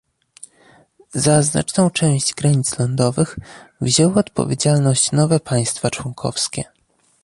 Za znaczną cześć granic lądowych wzięły odpowiedzialność nowe państwa członkowskie